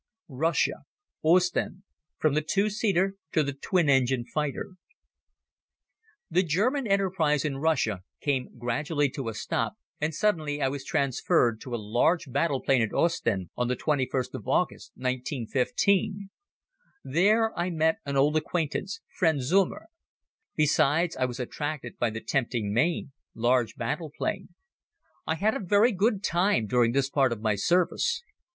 Russia Ostend (From the Two Seater to the Twin Engined Fighter) THE German enterprise in Russia came gradually to a stop and suddenly I was transferred to a large battle plane at Ostend on the twenty first of August, 1915. There I met an old acquaintance, friend Zeumer. Besides I was attracted by the tempting name "Large Battle plane." I had a very good time during this part of my service.